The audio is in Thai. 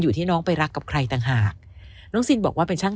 อยู่ที่น้องไปรักกับใครต่างหากน้องซินบอกว่าเป็นช่าง